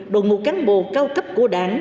đồng hồ cán bộ cao cấp của đảng